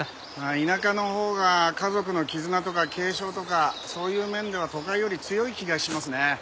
田舎のほうが家族の絆とか継承とかそういう面では都会より強い気がしますね。